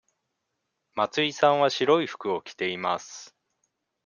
松井さんは白い服を着ています。